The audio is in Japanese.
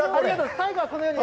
最後はこのように。